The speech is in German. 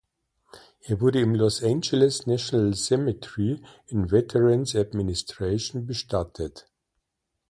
Er wurde im Los Angeles National Cemetery in Veterans Administration bestattet.